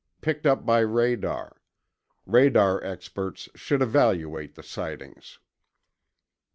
. picked up by radar ... radar experts should evaluate the sightings